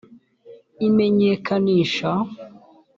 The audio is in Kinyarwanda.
imenyekanisha